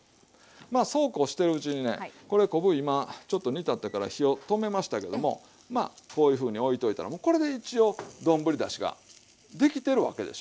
まあそうこうしてるうちにねこれ昆布今ちょっと煮立ったから火を止めましたけどもまあこういうふうに置いといたらもうこれで一応丼だしができてるわけでしょ。